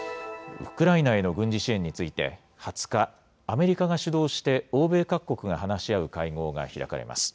ウクライナへの軍事支援について、２０日、アメリカが主導して、欧米各国が話し合う会合が開かれます。